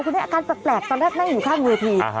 อาการแปลกตอนแรกนั่งอยู่ข้างเวที